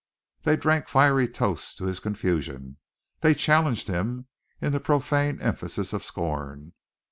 They drank fiery toasts to his confusion, they challenged him in the profane emphasis of scorn.